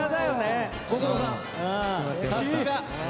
さすが。